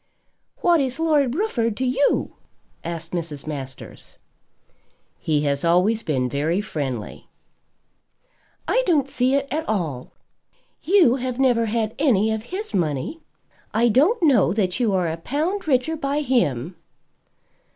"What is Lord Rufford to you?" asked Mrs. Masters. "He has always been very friendly." "I don't see it at all. You have never had any of his money. I don't know that you are a pound richer by him."